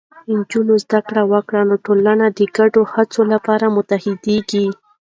نجونې زده کړه وکړي، نو ټولنه د ګډو هڅو لپاره متحدېږي.